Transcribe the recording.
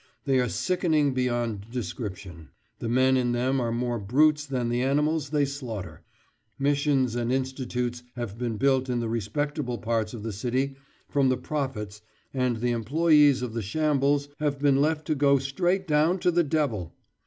They are sickening beyond description. The men in them are more brutes than the animals they slaughter. Missions and institutes have been built in the respectable parts of the city from the profits, and the employees of the shambles have been left to go straight down to the devil....